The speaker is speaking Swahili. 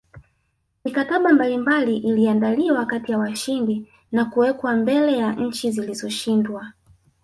Mikataba mbalimbali iliandaliwa kati ya washindi na kuwekwa mbele ya nchi zilizoshindwa